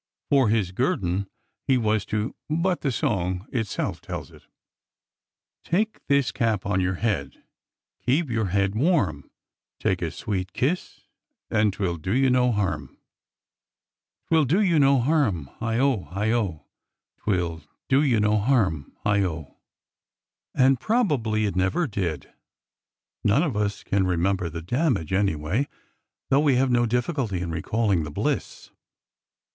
For his guerdon he was to— but the song it self tells it: Take this cap on your head — keep your head \varm; Take a sweet kiss and 'twill do you no harm! 18 194 ORDER NO. 11 will do you no harm,— heigh o ! heigh o! 'T will do you no harm,— heigh o! '' And probably it never did. None of us can remember the damage, anyv/ay, though we have no difficulty in re calling the bliss.